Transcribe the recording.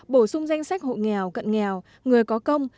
bổ sung danh sách hộ nghèo cận nghèo người có công